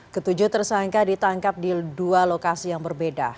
ketujuh tersangka ditangkap di dua lokasi yang berbeda